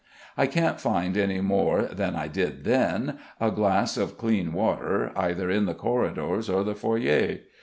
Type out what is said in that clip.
I can't find any more than I did then, a glass of dean water, either in the corridors or the foyer.